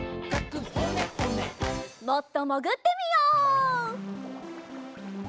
もっともぐってみよう。